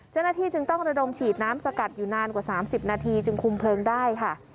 เจ้าหน้าที่จึงต้องระดมฉีดน้ำสกัดอยู่นานกว่า๓๐นาทีจึงคุมเพลิงได้ค่ะ